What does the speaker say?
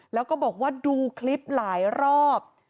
แล้วก็บอกว่าดูคลิปหลายรอบ